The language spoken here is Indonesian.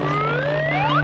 gak ada apa apa